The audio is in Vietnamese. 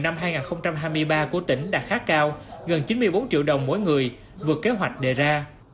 năm hai nghìn hai mươi ba của tỉnh đạt khá cao gần chín mươi bốn triệu đồng mỗi người vượt kế hoạch đề ra